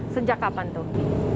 sejak kapan tuh